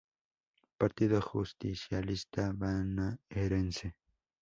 Partido Justicialista Bonaerense.